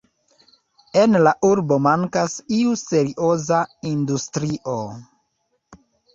En la urbo mankas iu serioza industrio.